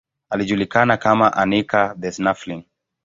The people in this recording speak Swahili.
Alijulikana kama Anica the Snuffling.